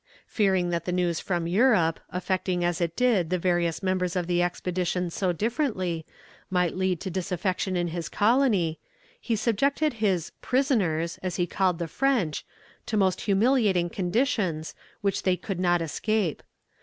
Fearing that the news from Europe, affecting as it did the various members of the expedition so differently, might lead to disaffection in his colony, he subjected his "prisoners," as he called the French, to most humiliating conditions, which they could not escape.